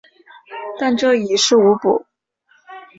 但这已于事无补。